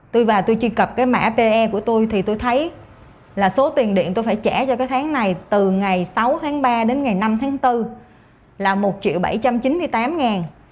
tôi và tôi truy cập cái mã pe của tôi thì tôi thấy là số tiền điện tôi phải trả cho cái tháng này từ ngày sáu tháng ba đến ngày năm tháng bốn là một triệu bảy trăm chín mươi tám ngàn